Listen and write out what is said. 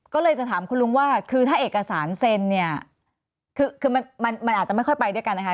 ก็เลยจะถามคุณลุงว่าคือถ้าเอกสารเซ็นเนี่ยคือมันอาจจะไม่ค่อยไปด้วยกันนะคะ